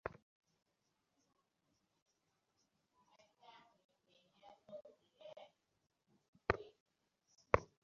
কে করেছে জানতে পারিনি কখনো।